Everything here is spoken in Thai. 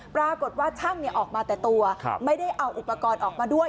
ปรากฏว่าช่างเนี่ยออกมาแต่ตัวไม่ได้เอาอุปกรณ์ออกมาด้วย